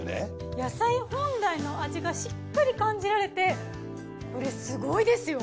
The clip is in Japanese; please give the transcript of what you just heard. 野菜本来の味がしっかり感じられてこれすごいですよ。